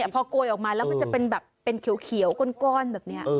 พอโกยออกมาแล้วมันจะเป็นแบบเป็นเขียวก้อนแบบนี้